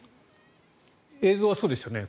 映像はそうでしたよね。